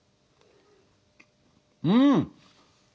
うん！